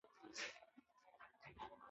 ژورنالیستان باید خالصه پښتو وکاروي.